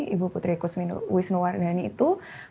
ibu putri kusmi wisnuwardiani itu